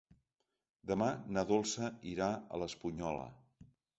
Demà na Dolça irà a l'Espunyola.